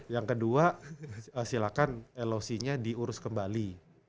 yang kedua silakan loc nya diurus kembali